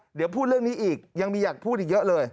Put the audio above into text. เดี๋ยวพูดเรื่องนี้อีกยังมีอยากพูดอีกเยอะเลย